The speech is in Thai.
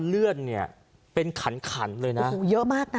เลือดเนี่ยเป็นขันขันเลยนะโอ้โหเยอะมากนะ